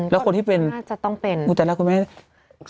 แล้วคนที่เป็นมูจรรย์ละก็ไม่ได้